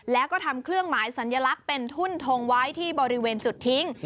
แล้วก็ทำเครื่องหมายสัญลักษณ์เป็นทุ่นทงไว้ที่บริเวณจุดทิ้ง